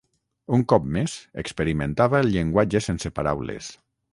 Un cop més experimentava el llenguatge sense paraules...